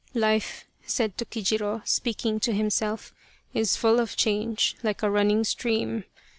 " Life," said Tokijiro, speaking to himself, " is full of change like a running stream.